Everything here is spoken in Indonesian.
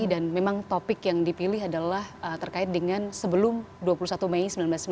dan memang topik yang dipilih adalah terkait dengan sebelum dua puluh satu mei seribu sembilan ratus sembilan puluh delapan